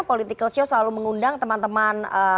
political show selalu mengundang teman teman